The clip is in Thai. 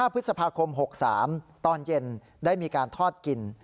พฤษภาคม๖๓ตอนเย็นได้มีการทอดกิน